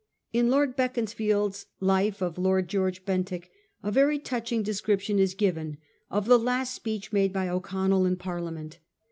In Lord Beaconsfield's Life of Lord George Bentinck, a very touching description is given of the last speech made by O'Connell in Parliament.